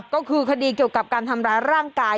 ก็คือคดีเกี่ยวกับการทำร้ายร่างกาย